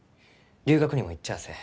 留学にも行っちゃあせん。